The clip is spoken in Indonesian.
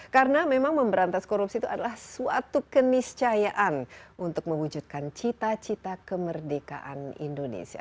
karena memang pemberantasan korupsi itu adalah suatu keniscayaan untuk mewujudkan cita cita kemerdekaan indonesia